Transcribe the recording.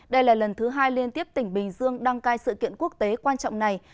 đây là lần thứ hai liên tiếp tỉnh bình dương đăng cai sự kiện quốc tế quan trọng này